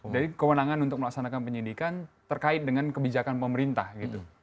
dari kewenangan untuk melaksanakan penyidikan terkait dengan kebijakan pemerintah gitu